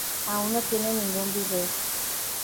Aún no tiene ningún video.